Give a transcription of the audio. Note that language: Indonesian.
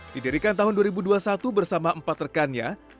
didirikan tahun dua ribu dua puluh satu bersama empat rekannya